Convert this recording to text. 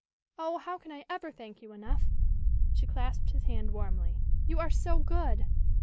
"Oh, how can I ever thank you enough?" She clasped his hand warmly. "You are so good!"